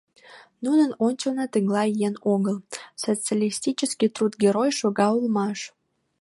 Нунын ончылно тыглай еҥ огыл — Социалистический Труд Герой шога улмаш.